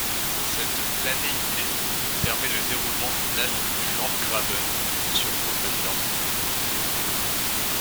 Cette planéité permet le détournement final du Landgraben sur Offendorf.